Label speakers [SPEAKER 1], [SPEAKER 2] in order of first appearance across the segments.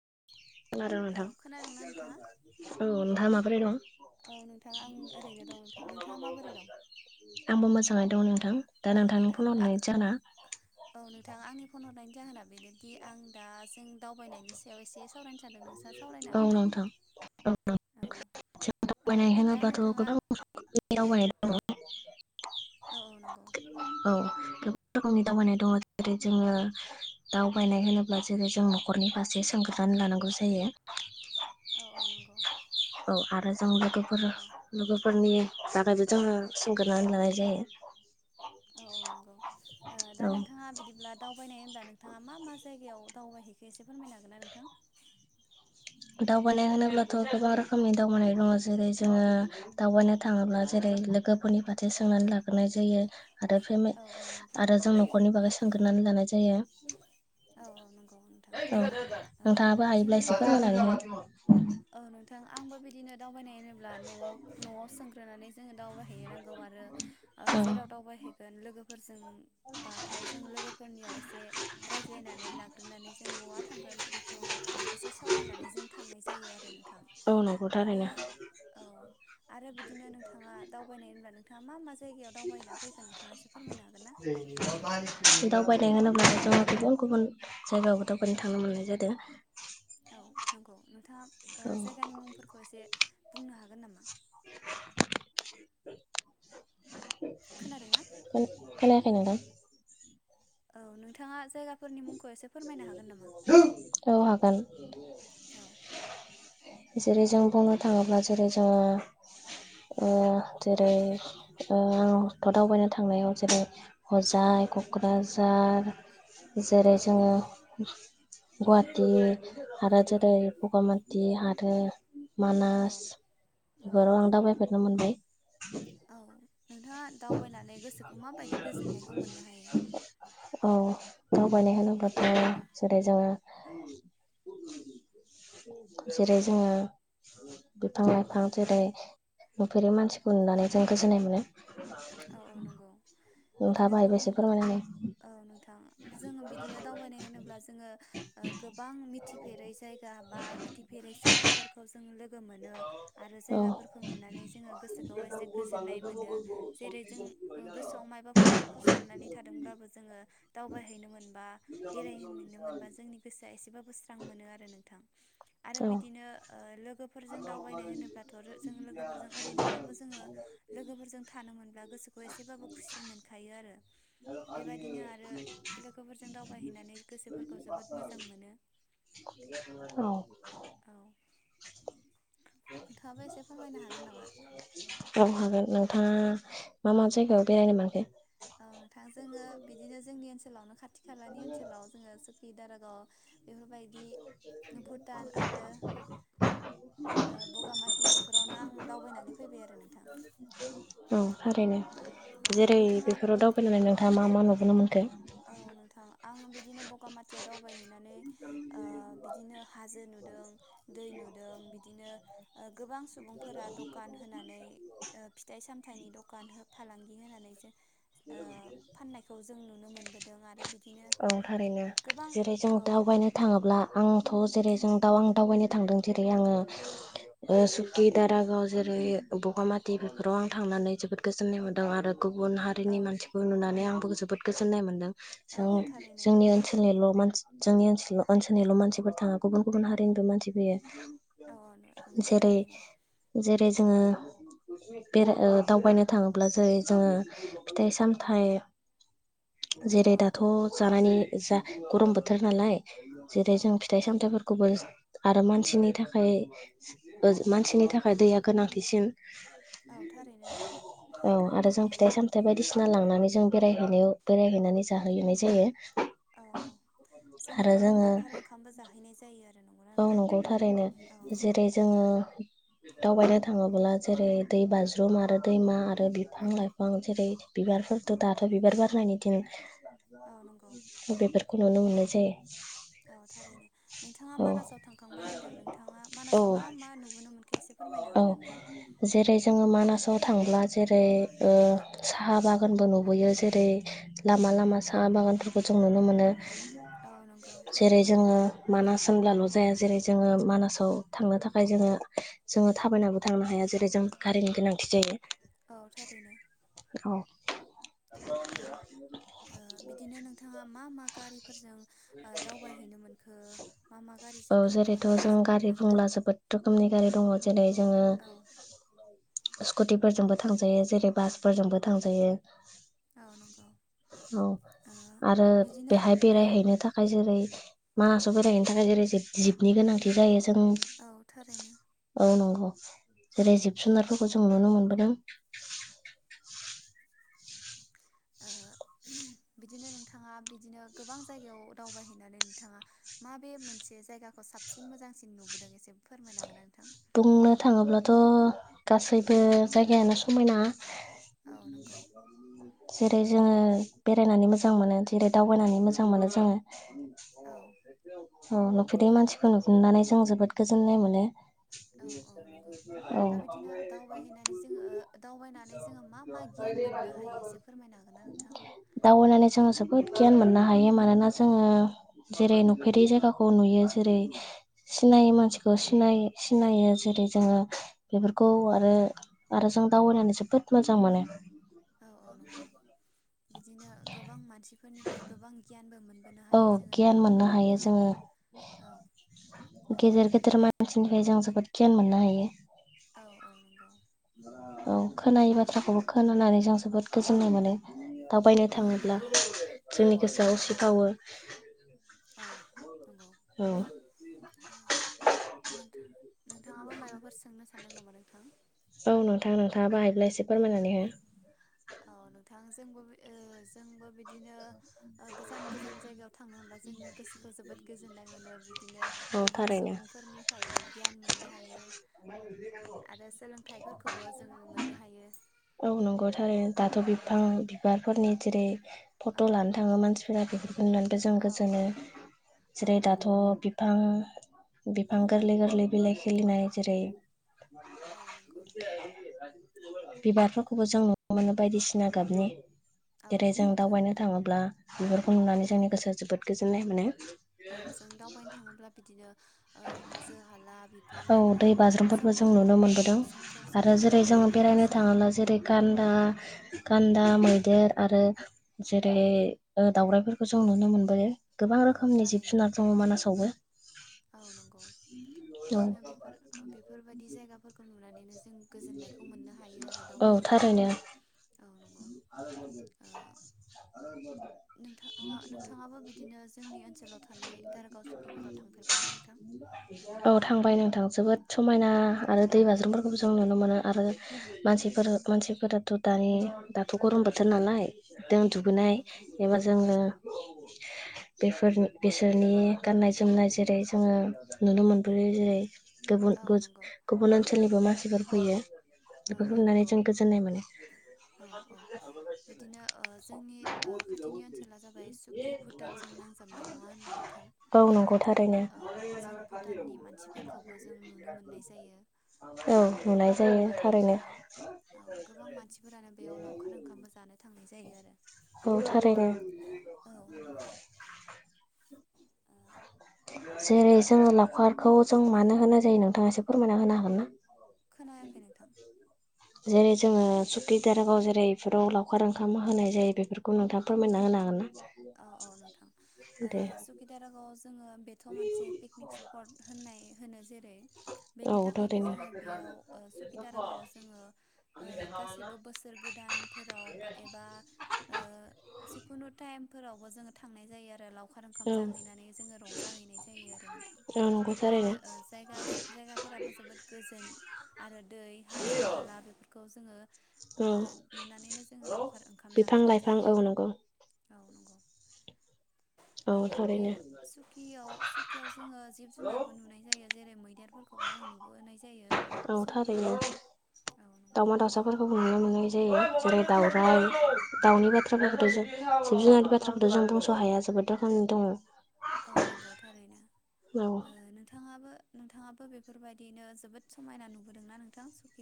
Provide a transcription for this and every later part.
[SPEAKER 1] [inaudible] खोनादों
[SPEAKER 2] औ
[SPEAKER 1] नोंथां
[SPEAKER 2] खोनादोंना नोंथाङा?
[SPEAKER 1] औ नों बोरै दं।
[SPEAKER 2] औ नोंथां आं ओरैनो दं नोंथां नोंथाङा माबोरै दं?
[SPEAKER 1] आंब मो ओ दङ नोंथां। दा
[SPEAKER 2] औ
[SPEAKER 1] नोंथांनि
[SPEAKER 2] नोंथां
[SPEAKER 1] फन
[SPEAKER 2] आ
[SPEAKER 1] हरनाय जाहोना
[SPEAKER 2] औ नोंथां आंनि फन हरनायनि जाहोना। बेनोदि आं दा जों दावबायनायनि सायाव एसे सावरायनो सानदों नोंसा सावरायनो
[SPEAKER 1] औ
[SPEAKER 2] हागोन ना
[SPEAKER 1] नोंथां औ
[SPEAKER 2] औ औ
[SPEAKER 1] दावबायनाय
[SPEAKER 2] दा
[SPEAKER 1] होनोब्लाथ'
[SPEAKER 2] नोंथाङा
[SPEAKER 1] गोबां
[SPEAKER 2] औ।
[SPEAKER 1] दावबायनाय दङ
[SPEAKER 2] औ औ नंगौ
[SPEAKER 1] औ। गोबां रोखोमनि दावबायनाय दङ जेरै जोङो। दावबायनाय होनोब्ला जेरै जों न'खरनि फारसे सोंगोरनानै लानांगौ जायो।
[SPEAKER 2] औ औ नंगौ
[SPEAKER 1] औ आरो जों लोगोफोर
[SPEAKER 2] औ
[SPEAKER 1] लोगोफोरनि जागा जोङो सोंगोरनानै लानाय जायो।
[SPEAKER 2] औ औ नंगौ दा
[SPEAKER 1] औ
[SPEAKER 2] नोंथाङा बिदिब्ला दावबायनाय होनब्ला नों। थाङा मा मा जायगायाव दावबायहैखो एसे फोरमायनो हागोनना नोंथां।
[SPEAKER 1] दावबायनाय होनोब्लाथ' गोबां रोखोमनि दावबायनाय दङ जेरै जोङो दावबायनो थाङोब्ला जेरै लोगोफोरनि फारसे सोंनानै लाग्रोनाय जायो। आरो फेमे
[SPEAKER 2] औ औ नंगौ
[SPEAKER 1] आरो जों न'खरनि बागै सोंगोरनानै लानाय जायो। [inaudible]
[SPEAKER 2] औ औ नंगौ नोंथां
[SPEAKER 1] औ
[SPEAKER 2] ओ
[SPEAKER 1] नोंथाङाबो
[SPEAKER 2] बिदिनो
[SPEAKER 1] हायोब्ला एसे
[SPEAKER 2] नोंथाङा
[SPEAKER 1] फोरमायना हागोन
[SPEAKER 2] औ नोंथां आंबो बिदिनो दावबायनाय होनोब्ला न'आव न'आव सोंग्रोनानै जोङो दाउबाय नांगौ आरो
[SPEAKER 1] औ
[SPEAKER 2] जेराव दाउबायहै गोन लोगोफोर जों बाथाय जों लोगोफोरनियाव एसे नानै लाग्रोनानै जों बहा थांगोन बेखौ एसे सावरायनानै जों थांनाय जायो आरो नों थां
[SPEAKER 1] औ नंगौ
[SPEAKER 2] आरो
[SPEAKER 1] थारैनो
[SPEAKER 2] औ आरो बिदिनो नोंथाङा दावबायनाय होनब्ला नोंथाङा मा मा जायगायाव दावबायना फैखो नोंथाङा एसे फोरमायनो हागोन ना
[SPEAKER 1] दावबायनाय होनोब्ला जोङो गुबुन गुबुन जायगायावबो दावबायनो थांनो मोननाय जादों
[SPEAKER 2] औ नंगौ नोंथाङा ओ जायगानि मुंफोरखौ एसे बुंनो हागोन नामा
[SPEAKER 1] [unintelligible]
[SPEAKER 2] खोनादों ना
[SPEAKER 1] औ खोनायाखै नोंथां
[SPEAKER 2] औ नोंथाङा जायगाफोरनि मुंखौ एसे फोरमायनो हागोन नामा?
[SPEAKER 1] औ हागोन [unintelligible]
[SPEAKER 2] औ
[SPEAKER 1] जेरै जों बुंनो थाङोब्ला जेरै जोङो ओ जेरै ओ' दावबायनो थांनायाव जेरै हजाय क'क्राझार जेरै
[SPEAKER 2] औ नंगौ
[SPEAKER 1] [unintelligible] गुवाहाटि आरो
[SPEAKER 2] औ
[SPEAKER 1] जेरै बगामाति दि [unintelligible]
[SPEAKER 2] औ
[SPEAKER 1] मानास
[SPEAKER 2] औ
[SPEAKER 1] बेफोराव आं
[SPEAKER 2] नंगौ
[SPEAKER 1] दावबायफेरनो मोनबाय
[SPEAKER 2] औ नोंथाङा दावबायनानै गोसोखौ माबायदि गोजोननायखौ मोननो हायो
[SPEAKER 1] औ दावबायनाय होनोब्लाथाय जेरै जोङो जेरै जोङो बिफां
[SPEAKER 2] औ
[SPEAKER 1] लाइफां जेरै नुफेरै मानसिखौ नुनानै जों गोजोननाय मोनो
[SPEAKER 2] औ औ नंगौ
[SPEAKER 1] नोंथाङाबो
[SPEAKER 2] बिदिनो
[SPEAKER 1] हायोबा एसे
[SPEAKER 2] गुबुन गुबु
[SPEAKER 1] फोरमायना
[SPEAKER 2] औ नोंथां जोंङ बिदिनो दावबायनाय होनोब्ला जोङो गोबां मिथिफेरै जायगा बा मिथिफेरै सुबुंफोरखौ जों लोग गो मोनो आरो
[SPEAKER 1] हो
[SPEAKER 2] जायगाफोरखौ नुनानै जोङो गोसोखौ एसे गोजोननाय मोनो। जेरै जों गोसोआव मायबाफोर दुखु साननानै थादोंब्लाबो जोङो दावबायहैनो मोनबा बेरायहैैनो मोनबा जोंनि गोसोआ एसेबाबो स बां मोनो आरो नोंथां आरो
[SPEAKER 1] औ
[SPEAKER 2] बिदिनो ओ लोगोफोरजों दावबायनाय होनोब्लाथ रो जों लोगोफोरजों ओरैनोबाबो जोङो लोगोफोरजों थानो मोनब्ला गोसोखौ एसेबाबो खुसि मोनखायो आरो बेबायदिनो आरो लोगोफोरजों दावबायहैनानै गोसोफोरखौ जोबोद मोजां मोनो
[SPEAKER 1] औ
[SPEAKER 2] औ नोंथाङाबो एसे फोरमायनो हागोन नामा
[SPEAKER 1] औ हागोन [unintelligible] आ मा मा जायगायाव बेरायनो मोनखो
[SPEAKER 2] औ नोंथां जोङो बिदिनो जोंनि ओनसोलावनो खाथि खालानि ओनसोलाव जोङो [unintelligible] अ बेफोरबायदि भुटान आरो ओ बगामाथि बे फोरावनो आं दावबायनानै फैबाय आरो ना
[SPEAKER 1] औ थारैनो
[SPEAKER 2] औ औ
[SPEAKER 1] जेरै
[SPEAKER 2] नोंथाङा
[SPEAKER 1] बेफोराव दाव बायनानै नोंथाङा मा मा नुबोनो मोनखो
[SPEAKER 2] औ नोंथां आं बिदिनो बगामाथियाव दावबाय हैनानै ओ बिदिनो हाजो नुदों दै नुदों बिदिनो ओ गोबां सुबुंफोरा दखान होनानै ओ फिथाइ सामथायनि दखान हो फालांगि होनानै [unintelligible] ओ फाननायखौ जों नुनो मोन
[SPEAKER 1] ओं थारैनो
[SPEAKER 2] गोबां
[SPEAKER 1] जेरै जों
[SPEAKER 2] औ
[SPEAKER 1] दावबायनो थाङोब्ला आं थ जेरै जों दाव आं दावबायनो थांदों जेरै आङो ओ सुकि दारागाव जेरै बगामाथि बेफोराव आं थांनानै जोबोद गोजोननाय मोनदों आरो गुबुन हारि
[SPEAKER 2] औ
[SPEAKER 1] नि मानसिफोर नुनानै आंबो जोबोद गोजोन्नाय मोनदों
[SPEAKER 2] औ
[SPEAKER 1] जों
[SPEAKER 2] औ थारैनो
[SPEAKER 1] जोंनि ओनसोलनिल मानसि जोंनि [unintelligible] ओनसोलनिल मानसिफोर थाङा गुबुन गुबुन हारिनिबो मानसि फैयो
[SPEAKER 2] औ औ नंगौ
[SPEAKER 1] जेरै
[SPEAKER 2] थारैनो
[SPEAKER 1] जेरै [unintelligible] जोङो बेराय ओ दावबायनो थाङोब्ला जेरै जोङो फिथाइ सामथाइ जेरै
[SPEAKER 2] औ
[SPEAKER 1] दाथ जानानै जा गरम बोथोर नालाय जेरै
[SPEAKER 2] औ
[SPEAKER 1] जों फिथाइ
[SPEAKER 2] नंगौ
[SPEAKER 1] सामथायाइफोरखौबो आरो मानसिनि थाखाय ओ मानसिनि थाखाय दैया गोनांथिसिन
[SPEAKER 2] औ थारैनो नंगौ
[SPEAKER 1] औ आरो जों
[SPEAKER 2] ओ
[SPEAKER 1] [unintelligible] बायदिसिना लांनानै जों बेरायहैनायाव बेरायहैनानै जाहैनाय जायो
[SPEAKER 2] औ औ जों
[SPEAKER 1] आरो
[SPEAKER 2] बिदिनो
[SPEAKER 1] जोङो
[SPEAKER 2] लावखार ओंखामबो जाहैनाय जायो आरो नंगौना
[SPEAKER 1] औ
[SPEAKER 2] नोंथां
[SPEAKER 1] नंगौ थारैनो
[SPEAKER 2] औ
[SPEAKER 1] जेरै जोङो दावबायनो थाङोब्ला जेरै दै बाज्रुम आरो दैमा आरो बिफां लाइफां जेरै बिबारफोरथ दाथ बिबार बारनायनि दिन
[SPEAKER 2] औ नंगौ
[SPEAKER 1] बेफोर खुनुनो मोननोसै।
[SPEAKER 2] औ थारैनो। नोंथाङा
[SPEAKER 1] औ
[SPEAKER 2] मानासाव थांखांबाय होन्दों नोंथाङा
[SPEAKER 1] औ
[SPEAKER 2] मानासाव मा मा नुबोनो मोनखो एसे फोरमायनो
[SPEAKER 1] औ
[SPEAKER 2] हागोन नोंथां।
[SPEAKER 1] जेरै जोङो मानासाव थांब्ला जेरै ओ साहा बागानबो नुबोयो जेरै लामा लामा साहा बागानफोरखौ जों नुनो मोनो।
[SPEAKER 2] औ नंगौ
[SPEAKER 1] जेरै जोङो मानास होनब्लाल' जाया जेरै जोङो मानासाव थांनो थाखाय जोङो जोङो थाबायनाबो थांनो हाया जेरै जों गारिनि गोनांथि जायो।
[SPEAKER 2] औ थारैनो।
[SPEAKER 1] औ।
[SPEAKER 2] औ ओ बिदिनो नोंथाङा मा मा गारिफोरजों। ओ दावबायहैनो मोनखो मा मा
[SPEAKER 1] औ
[SPEAKER 2] गारिजों थांनो
[SPEAKER 1] जेरैथ'
[SPEAKER 2] मोनखो
[SPEAKER 1] जों
[SPEAKER 2] एसे
[SPEAKER 1] गारि
[SPEAKER 2] फोरमायनो हागोन ना?
[SPEAKER 1] बुंब्ला जोबोद रोखोमनि गारि दङ जेरै जोङो
[SPEAKER 2] औ
[SPEAKER 1] स्कुटिफोरजोंबो थांजायो जेरै बासफोरजोंबो थांजायो।
[SPEAKER 2] औ नंगौ
[SPEAKER 1] औ
[SPEAKER 2] ओ
[SPEAKER 1] आरो
[SPEAKER 2] बिदिनो
[SPEAKER 1] बेहाय
[SPEAKER 2] औ
[SPEAKER 1] बेरायहैनो जेरै मासाव बेरायहैनो थाखाय जेरै जिबनि गोनांथि जायो। जों
[SPEAKER 2] औ थारैनो
[SPEAKER 1] औ नंगौ। [inaudible]
[SPEAKER 2] औ
[SPEAKER 1] जेरै
[SPEAKER 2] ओ
[SPEAKER 1] जिब जुनार जों नुनो मोनबो। हेल'
[SPEAKER 2] ओ बिदिनो नोंथाङा बिदिनो गोबां जायगायाव दावबायहैनानै नोंथाङा माबे मोनसे जायगाखौ साबसिन मोजांसिन नुबोदों एसे फोरमायन हांगोना नोंथाङा।
[SPEAKER 1] बुंनो थाङोब्लाथ' गासैबो जायगायानो समायना।
[SPEAKER 2] औ नंगौ
[SPEAKER 1] [inaudible] जेरै जोङो बेरायनानै मोजां मोनो जेरै दावबायनानै मोजां मोनो जोङो
[SPEAKER 2] औ
[SPEAKER 1] [inaudible] औ नुफेदै मानसिखौ नुहनानै जों जोबोद गोजोननाय मोनो।
[SPEAKER 2] औ औ नंगौ
[SPEAKER 1] औ
[SPEAKER 2] दा
[SPEAKER 1] [inaudible]
[SPEAKER 2] बिदिनो दावबायहैनानै जोङो दावबायनानै जोङो मा मा गियान मोननो हायो एसे फोरमायनो हागोन ना नोंथां?
[SPEAKER 1] दाउबायनानै जोङो। जोबोद गियान मोननो हायो मानोना जोङो जेरै नुफेरि जायगाखौ नुयो जेरै सिनायै मानसिखौ सिनाय सिनायो जेरै जोङो बेफोरखौ आरो आरो जों दावबायनानै जोबोद मोजां मोनो। [inaudible]
[SPEAKER 2] औ औ नंगौ बिदिनो गोबां मानसिफोरनिफ्राय गोबां गियानबो मोनो।
[SPEAKER 1] औ गियान मोननो हायो
[SPEAKER 2] औ
[SPEAKER 1] जोङो- गेदेर गेदेर मानसिनिफ्राय जों जोबोद गियान मोननो हायो।
[SPEAKER 2] औ औ नंगौ।
[SPEAKER 1] औ खोनायै
[SPEAKER 2] औ
[SPEAKER 1] बाथ्राखौबो खोनानानै जों। जोबोद गोजोननाय मोनो। दावबायनो
[SPEAKER 2] औ
[SPEAKER 1] थाङोब्ला
[SPEAKER 2] नंगौ
[SPEAKER 1] जोंनि गोसोआव
[SPEAKER 2] औ
[SPEAKER 1] उसिथावो
[SPEAKER 2] औ नंगौ
[SPEAKER 1] औ। [inaudible]
[SPEAKER 2] नोंथाङाबो माबाफोर सोंनो सानदों नामा नोंथां
[SPEAKER 1] औ नोंथां नोंथाङाबो हायोब्ला एसे फोरमायनानै हो।
[SPEAKER 2] औ नोंथां जोंबोब ओ जोंबो बिदिनो ओ गोजान गोजान जायगायाव थांनो मोनब्ला जों गोसोखौ जोबोद गोजोननाय मोनो बिदिनो
[SPEAKER 1] हो औ
[SPEAKER 2] गोबां
[SPEAKER 1] थारैनो
[SPEAKER 2] सुबुंफोरनिफायबो गियान मोननो हायो। आरो सोलोंथाइफोरखौबो जों मोननो हायो
[SPEAKER 1] औ नंगौ थारैनो। दाथ'
[SPEAKER 2] औ
[SPEAKER 1] बिफां बिबारफोरनि जेरै
[SPEAKER 2] औ
[SPEAKER 1] फट' लानो थाङो मानसिफोरा बेफोरखौ नुनानैबो जों
[SPEAKER 2] औ औ
[SPEAKER 1] गोजोनो
[SPEAKER 2] औ
[SPEAKER 1] जेरै दाथ'
[SPEAKER 2] नंगौ
[SPEAKER 1] बिफां बिफां गोरलै गोरलै बिलाइ खिलिनाय जेरै
[SPEAKER 2] औ नंगौ नोंथां
[SPEAKER 1] [unintelligible] बिबारफोरखौबो जों नुनो मोनो बायदिसिना गाबनि।
[SPEAKER 2] औ
[SPEAKER 1] जेरै जों
[SPEAKER 2] नंगौ
[SPEAKER 1] दावबायनो
[SPEAKER 2] थारैनो
[SPEAKER 1] थाङोब्ला बेफोरखौ नुनानै
[SPEAKER 2] औ
[SPEAKER 1] जोंनि गोसोआ जोबोद गोजो ननाय मोनो।
[SPEAKER 2] औ जों दावबायनो थाङोब्ला बिदिनो ओ हाजो हाला बिफां
[SPEAKER 1] औ
[SPEAKER 2] लाइफां
[SPEAKER 1] दै बाज्रुमफोरबो जों
[SPEAKER 2] सोमखोर
[SPEAKER 1] नुनो
[SPEAKER 2] औ
[SPEAKER 1] मोनबोदों
[SPEAKER 2] सोमखोर
[SPEAKER 1] आरो
[SPEAKER 2] समायना
[SPEAKER 1] जेरै जोङो
[SPEAKER 2] दैमा
[SPEAKER 1] बेरायनो
[SPEAKER 2] दैसा
[SPEAKER 1] थाङोला जेरै गान्दा गान्दा
[SPEAKER 2] औ
[SPEAKER 1] मैदेर आरो जेरै ओ दाउराइफोरखौ जों नुनो मोनबोयो। गोबां
[SPEAKER 2] औ
[SPEAKER 1] रोखोमनि जिब
[SPEAKER 2] थारैनो
[SPEAKER 1] जुनार दङ मानासावबो।
[SPEAKER 2] औ नंगौ
[SPEAKER 1] औ
[SPEAKER 2] बिदिनो बेफोर ओ बेफोरबायदि जायगाफोरखौ नुनानैनो जो जों गोजोननायखौ मोननो हायो आरो
[SPEAKER 1] औ
[SPEAKER 2] दावबायनो
[SPEAKER 1] थारैनो
[SPEAKER 2] थांनायाव औ नं
[SPEAKER 1] [unintelligible] [unintelligible]
[SPEAKER 2] नोंथाङा नोंथाङाबो बिदिनो जोंनि ओनसोलाव थानाय दारागाव सुकिफोराव थांफेरबायना नोंथां
[SPEAKER 1] औ थांबाय नोंथां। जोबोद समायना आरो दै बाज्रुमफोरखौबो जों नुनो मोनो आरो मानसिफोर
[SPEAKER 2] औ
[SPEAKER 1] मानसिफोराथ' दानि दाथ' गरम बोथोर नालाय दों
[SPEAKER 2] औ
[SPEAKER 1] दुगैनाय
[SPEAKER 2] नंगौ
[SPEAKER 1] एबा
[SPEAKER 2] औ
[SPEAKER 1] जोङो बेफोरनि बिसोरनि गाननाय जोमनाय जेरै जोङो नुनो मोनबोयो जेरै गुबुन
[SPEAKER 2] औ
[SPEAKER 1] गुस
[SPEAKER 2] नंगौ
[SPEAKER 1] गुबुन ओनसोलनिबो मानसिफोर फैयो।
[SPEAKER 2] औ औ
[SPEAKER 1] बेफोरखौ नुनानै
[SPEAKER 2] नंगौ
[SPEAKER 1] जों गोजोननाय मोनो।
[SPEAKER 2] औ औ बिदिनो ओ जोंनि ओ खाथिनि ओनसोला जाबाय सुकि भुटानजों नांजाबनाय नङा होनबा नोंथां
[SPEAKER 1] औ नंगौ थारैनो
[SPEAKER 2] औ जों भुटाननि मानसिफोरखौबो जों नुनो मोननाय जायो।
[SPEAKER 1] औ नुनाय जायो
[SPEAKER 2] औ
[SPEAKER 1] थारैनो
[SPEAKER 2] नंगौ औ गोबां मानसिफोरानो बेयाव लावखार ओंखामबो जानो थां
[SPEAKER 1] औ थारैनो।
[SPEAKER 2] औ नंगौ ओ
[SPEAKER 1] जेरै जोङो लावखारखौ जों मानो होन्नाय जायो नोंथाङा एसे फोरमायना होनो हागोन ना?
[SPEAKER 2] खोनायाखै नोंथां।
[SPEAKER 1] जेरै जोङो सुखि दारागाव जेरै बेफोराव लावखार ओंखाम होनाय जायो बेफोरखौ नोंथाङा फोरमायना होनो हागोन ना
[SPEAKER 2] औ औ नोंथां ओ
[SPEAKER 1] दे
[SPEAKER 2] सुकिदारागावआव जोङो बेथ' मोनसे पिकनिक स्पट होननाय होनो जेरै
[SPEAKER 1] औ
[SPEAKER 2] बेनि थाखायनो
[SPEAKER 1] थारैनो
[SPEAKER 2] जोङो बेयाव ओ सुकि दारागावआव जोङो ओ गासिबो बोसोर गोदानफोराव बा एबा ओ जिखुनु टाइम फोरावबो जोङो थांनाय जायो आरो लाव लावखार ओंखाम
[SPEAKER 1] औ
[SPEAKER 2] जाहैनानै जोङो रंजाहैनाय जायो आरो नोंथां
[SPEAKER 1] औ नंगौ थारैनो
[SPEAKER 2] बिदिनो ओ जायगा जायगाफोराबो जोबोद गोजोन आरो दै हाजो हाला बेफोरखौ जोङो
[SPEAKER 1] औ
[SPEAKER 2] ओ नुनानैनो जोङो लावखार ओंखाम
[SPEAKER 1] बिफां
[SPEAKER 2] जाहैनाय
[SPEAKER 1] लाइफां
[SPEAKER 2] जायो
[SPEAKER 1] औ
[SPEAKER 2] आरो
[SPEAKER 1] नंगौ
[SPEAKER 2] औ नंगौ
[SPEAKER 1] औ
[SPEAKER 2] ओ बे
[SPEAKER 1] थारैनो
[SPEAKER 2] सुखियाव सुखियाव जोङो जिब जुनारबो नुनाय जायो जेरै मैदेर फोरखौबो जों नुबोनाय जायो
[SPEAKER 1] औ
[SPEAKER 2] सम
[SPEAKER 1] थारैनो
[SPEAKER 2] लानानै औ नंगौ
[SPEAKER 1] दाावमा दाावसाफोरखौबो नुनो मोननाय जायो।
[SPEAKER 2] औ
[SPEAKER 1] [inaudible]
[SPEAKER 2] औ थारैनो नंगौ
[SPEAKER 1] जिब जुनारनि बाथ्राखौथ' जों बुंस' हाया जोबोद रोखोमनि दङ।
[SPEAKER 2] औ नंगौ थारैनो
[SPEAKER 1] औ
[SPEAKER 2] ओ नोंथाङाबो नोंथाङाबो बेफोरबायदिनो जोबोद समायना नुबोदोंना नोंथां सुक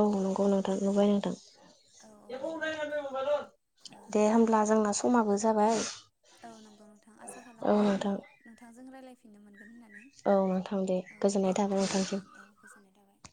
[SPEAKER 1] औ नंगौ नोंथां नुबायना
[SPEAKER 2] औ औ नंगौ
[SPEAKER 1] नोंथां
[SPEAKER 2] ओ
[SPEAKER 1] दे होनब्ला जोंना स माबो जाबाय
[SPEAKER 2] औ नंगौ नोंथां आसा
[SPEAKER 1] औ
[SPEAKER 2] खालामो
[SPEAKER 1] नोंथां
[SPEAKER 2] उनाव नोंथांजों राय्लायफिननो मोनगोन होननानै
[SPEAKER 1] औ नोंथां दे
[SPEAKER 2] औ दे
[SPEAKER 1] गोजोननाय थाबाय
[SPEAKER 2] बिदिब्ला
[SPEAKER 1] नोंथांसिम
[SPEAKER 2] नोंथां औ गोजोननाय थाबाय।